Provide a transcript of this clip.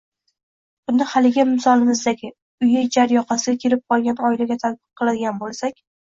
Buni haligi misolimizdagi – uyi jar yoqasiga kelib qolgan oilaga tatbiq qiladigan bo‘lsak